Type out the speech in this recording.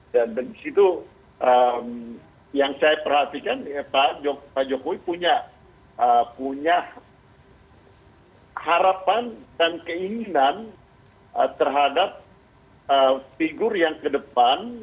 dan di situ yang saya perhatikan pak jokowi punya harapan dan keinginan terhadap figur yang ke depan